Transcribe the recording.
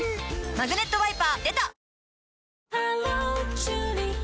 「マグネットワイパー」出た！